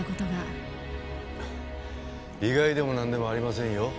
意外でもなんでもありませんよ。